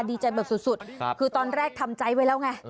ดีใจแบบสุดคือตอนแรกทำใจไว้แล้วไง